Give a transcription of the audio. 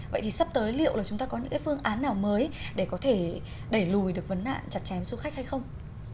vậy thì sắp tới liệu là chúng ta có những cái phương án nào mới để có thể đẩy lùi được vấn nạn chặt chém du khách hay không